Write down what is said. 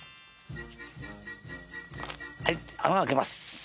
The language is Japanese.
はい穴を開けます。